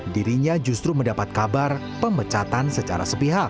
dirinya justru mendapat kabar pemecatan secara sepihak